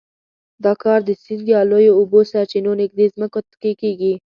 دا کار د سیند یا لویو اوبو سرچینو نږدې ځمکو کې کېږي.